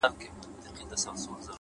خپل وخت له موخې سره وتړئ؛